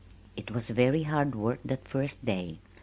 It was very hard work that first day.